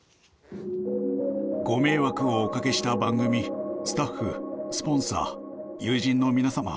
ご迷惑をおかけした番組・スタッフ・スポンサー友人の皆様